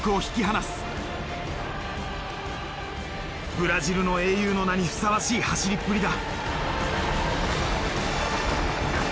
ブラジルの英雄の名にふさわしい走りっぷりだ。